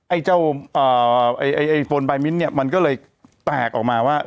ไอ้เจ้าไอ้โฟนบายมิ้นเนี่ยมันก็เลยแตกออกมาว่า